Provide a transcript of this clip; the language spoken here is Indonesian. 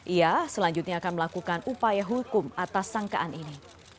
ia selanjutnya akan melakukan upaya hukum atas sangkaan ini